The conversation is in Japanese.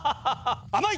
甘い！